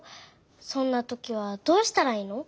そんなときはどうしたらいいの？